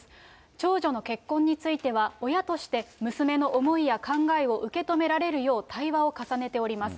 長女の結婚については、親として、娘の思いや考えを受け止められるよう、対話を重ねております。